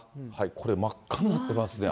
これ、真っ赤になってますね。